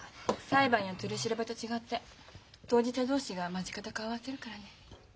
裁判や取り調べと違って当事者同士が間近で顔合わせるからね。